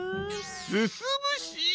すすむし！